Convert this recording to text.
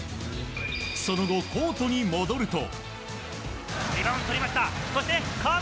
その後、コートに戻ると。